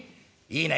いいね。